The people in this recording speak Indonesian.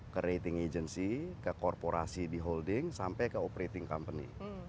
ke rating agency ke korporasi di holding sampai ke operating company